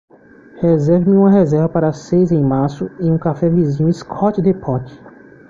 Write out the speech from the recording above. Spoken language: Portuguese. Reserve-me uma reserva para seis em março em um café vizinho Scott Depot